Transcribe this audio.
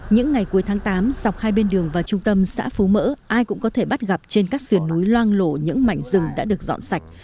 những ngày cuối tháng tám dọc hai bên đường và trung tâm xã phú mỡ ai cũng có thể bắt gặp trên các sườn núi loang lộ những mảnh rừng đã được dọn sạch